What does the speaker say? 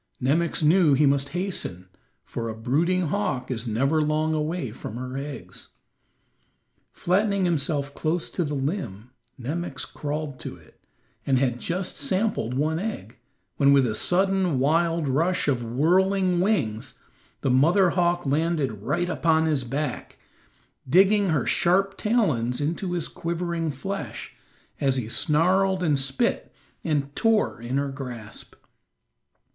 Nemox knew he must hasten, for a brooding hawk is never long away from her eggs. Flattening himself close to the limb Nemox crawled to it, and had just sampled one egg, when with a sudden, wild rush of whirling wings, the mother hawk landed right upon his back, digging her sharp talons into his quivering flesh, as he snarled and spit and tore in her grasp.